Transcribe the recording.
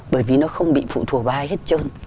bởi vì nó không bị phụ thuộc vào ai hết trơn